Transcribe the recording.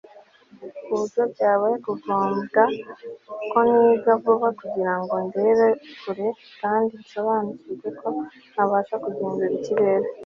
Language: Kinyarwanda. ku buryo byabaye ngombwa ko niga vuba kugira ngo ndebe kure kandi nsobanukirwe ko ntabasha kugenzura ikirere